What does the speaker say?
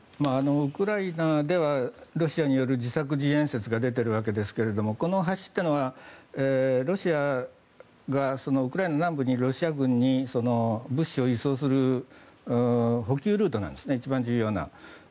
ウクライナではロシアによる自作自演説が出ているわけですがこの橋っていうのはロシアがウクライナ南部にいるロシア軍に物資を輸送する補給ルートなんです一番重要な。